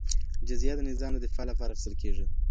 جزيه د نظام د دفاع لپاره اخيستل کيږي.